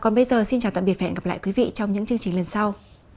còn bây giờ xin chào tạm biệt và hẹn gặp lại quý vị trong những chương trình lần sau